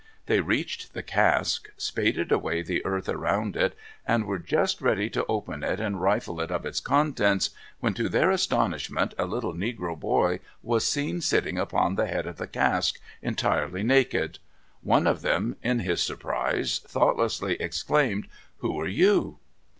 They reached the cask, spaded away the earth around it, and were just ready to open it and rifle it of its contents, when to their astonishment a little negro boy was seen sitting upon the head of the cask, entirely naked. One of them in his surprise thoughtlessly exclaimed, "Who are you?"